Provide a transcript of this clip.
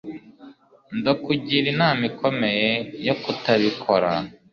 ndakugira inama ikomeye yo kutabikora